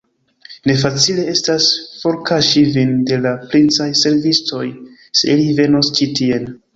Ne facile estas forkaŝi vin de la princaj servistoj, se ili venos ĉi tien!